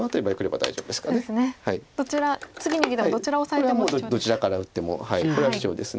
これはどちらから打ってもこれはシチョウです。